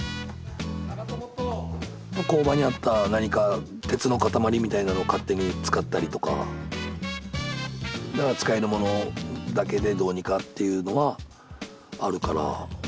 工場にあった何か鉄の塊みたいなのを勝手に使ったりとかだから使えるものだけでどうにかっていうのはあるから。